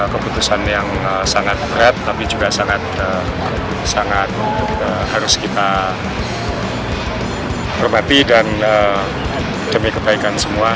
keputusan yang sangat berat tapi juga sangat harus kita hormati dan demi kebaikan semua